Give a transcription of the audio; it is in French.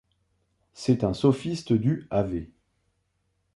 C’est un sophiste du av.